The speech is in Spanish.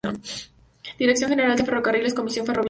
Dirección General de Ferrocarriles Comisión Ferroviaria.